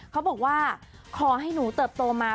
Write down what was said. เขาบอกว่าขอให้หนูเติบโตมา